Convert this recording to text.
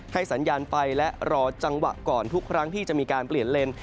สัญญาณไฟและรอจังหวะก่อนทุกครั้งที่จะมีการเปลี่ยนเลน